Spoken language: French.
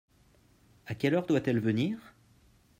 A quelle heure doit-elle venir ?